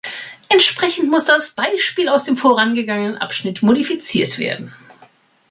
Entsprechend muss das Beispiel aus dem vorangegangenen Abschnitt modifiziert werden.